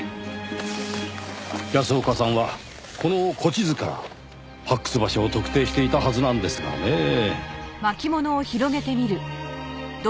安岡さんはこの古地図から発掘場所を特定していたはずなんですがねぇ。